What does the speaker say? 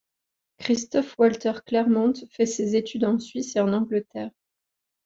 Christoph Walter Clairmont fait ses études en Suisse et en Angleterre.